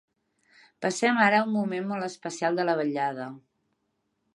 Passem ara a un moment molt especial de la vetllada.